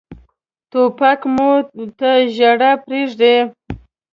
توپک مور ته ژړا پرېږدي.